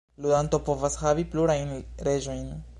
Ludanto povas havi plurajn Reĝojn.